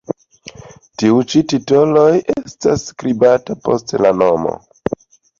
Tiuj ĉi titoloj estas skribataj post la nomo.